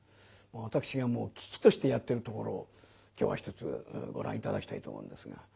私がもう喜々としてやってるところを今日はひとつご覧頂きたいと思うんですが。